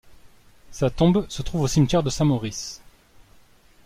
Sa tombe se trouve au cimetière de Saint-Maurice.